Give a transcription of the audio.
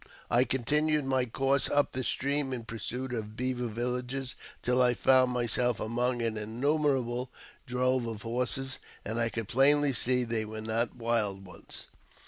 I continued my course up the stream in pursuit of beaver villages until I found myseK among an innumerable drove of horses, and I could plainly see they were not wild ones.